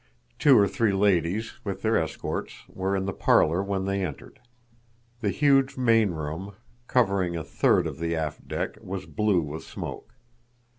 Two or three ladies, with their escorts, were in the parlor when they entered. The huge main room, covering a third of the aft deck, was blue with smoke.